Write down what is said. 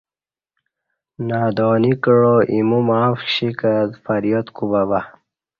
نادانی کعا اِیمو معاف کشی کہ فریاد کوبہ بہ